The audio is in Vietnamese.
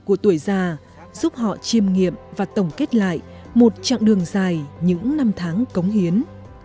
của tuổi già giúp họ chiêm nghiệm và tổng kết lại một chặng đường dài những năm tháng cống hiến